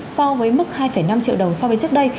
so với mức hai năm triệu đồng so với trước đây